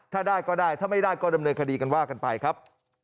ถ้าได้ก็ได้ถ้าไม่ได้ก็ดำเนินคดีกันว่ากันไปครับ